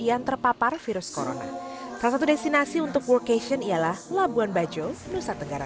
yang terpapar virus corona salah satu destinasi untuk worcation ialah labuan bajo nusa tenggara